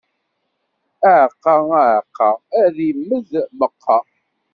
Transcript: Aɛeqqa, aɛeqqa, ad immed meqqa.